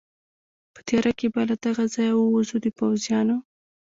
په تېاره کې به له دغه ځایه ووځو، د پوځیانو.